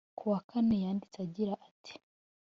Kuwa Kane yanditse agira ati